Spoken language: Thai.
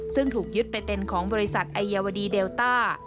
ซึ่งถูกยึดไปเป็นของบริษัทไอเยาวดีเดลต้า